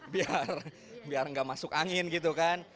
biar nggak masuk angin gitu kan